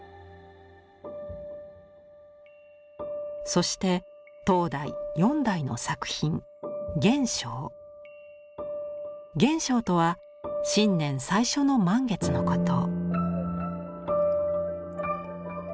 そして当代四代の作品「元宵」とは新年最初の満月のこと。